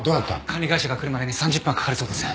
管理会社が来るまでに３０分はかかるそうです。